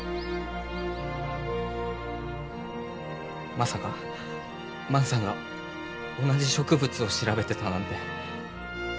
まさか万さんが同じ植物を調べてたなんて。